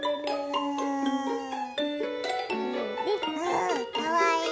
うかわいい！